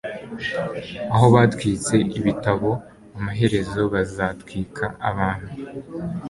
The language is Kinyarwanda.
Aho batwitse ibitabo amaherezo bazatwika abantu (sysko)